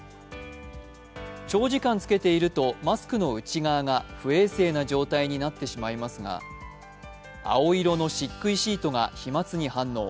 長時間つけているとマスクの内側が不衛生な状態になってしまいますが青色のしっくいシートが飛まつに反応。